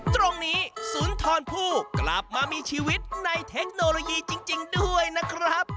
ตรงนี้สุนทรผู้กลับมามีชีวิตในเทคโนโลยีจริงด้วยนะครับ